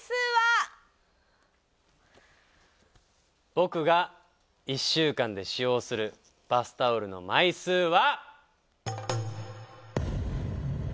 僕が１週間で使用するバスタオルの枚数は。